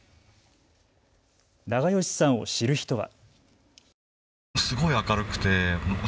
長葭さんを知る人は。